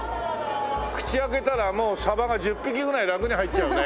口開けたらもうサバが１０匹ぐらいラクに入っちゃうね。